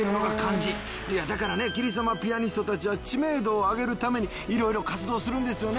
いやだからねキリ様ピアニストたちは知名度を上げるために色々活動するんですよね。